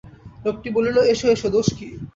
লোকটি বলিল, এসো এসো, দোষ কি?